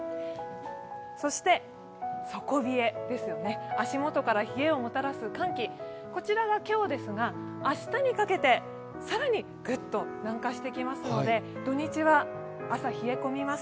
そして底冷えですね、足元から冷えをもたらす寒気、こちらが今日ですが、明日にかけて更にグッと南下してきますので土日は朝、冷え込みます。